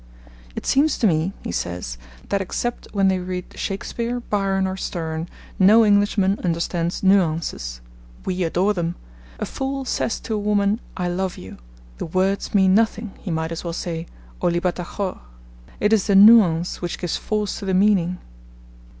'It seems to me,' he says, 'that except when they read Shakespeare, Byron, or Sterne, no Englishman understands "nuances"; we adore them. A fool says to a woman, "I love you"; the words mean nothing, he might as well say "Olli Batachor"; it is the nuance which gives force to the meaning.'